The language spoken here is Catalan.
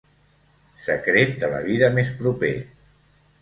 Secret de la vida més proper.